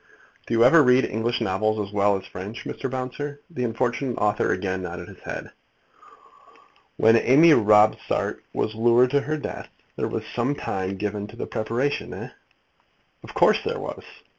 "Do you ever read English novels as well as French, Mr. Bouncer?" The unfortunate author again nodded his head. "When Amy Robsart was lured to her death, there was some time given to the preparation, eh?" "Of course there was."